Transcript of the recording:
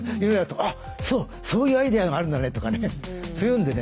あっそうそういうアイデアがあるんだねとかいうんでね